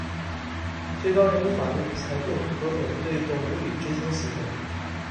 最高人民法院裁定核准对董文语执行死刑。